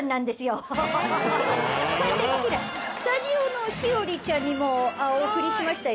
スタジオの栞里ちゃんにもお送りしましたよ。